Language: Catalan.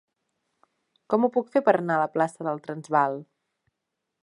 Com ho puc fer per anar a la plaça del Transvaal?